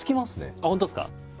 あっ本当ですか。